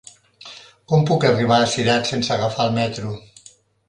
Com puc arribar a Cirat sense agafar el metro?